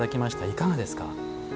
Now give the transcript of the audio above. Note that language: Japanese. いかがですか？